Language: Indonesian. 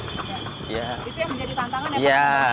itu yang menjadi tantangan ya pak